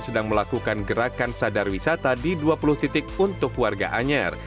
sedang melakukan gerakan sadar wisata di dua puluh titik untuk warga anyer